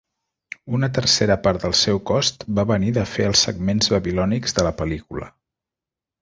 Una tercera part del seu cost va venir de fer els segments babilònics de la pel·lícula.